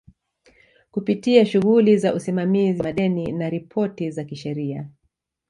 kupitia shughuli za usimamizi wa madeni na ripoti za kisheria